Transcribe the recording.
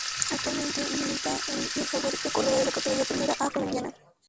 Actualmente milita en el Jaguares de Córdoba de la Categoría Primera A colombiana.